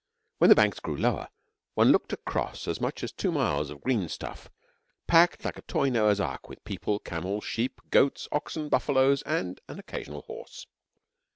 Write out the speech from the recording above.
When the banks grew lower, one looked across as much as two miles of green stuff packed like a toy Noah's ark with people, camels, sheep, goats, oxen, buffaloes, and an occasional horse.